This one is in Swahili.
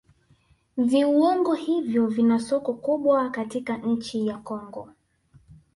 Viuongo hivyo vina soko kubwa katika nchi ya Kongo